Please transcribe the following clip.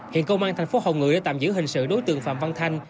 hiện công an tp hồng ngự đã tạm giữ hình sự đối tượng phạm văn thanh